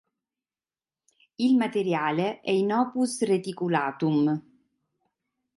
Il materiale è in opus reticulatum.